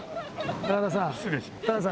高田さん。